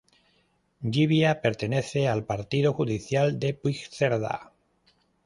Llivia pertenece al partido judicial de Puigcerdá.